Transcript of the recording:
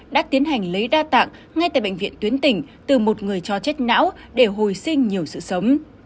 đã tiến hành lấy đa tạng ngay tại bệnh viện tuyến tỉnh từ một người cho chết não để hồi sinh nhiều sự sống